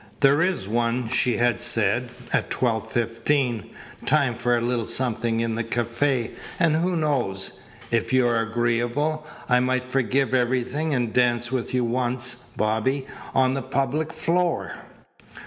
"There is one," she had said, "at twelve fifteen time for a little something in the cafe, and who knows? If you are agreeable I might forgive everything and dance with you once, Bobby, on the public floor."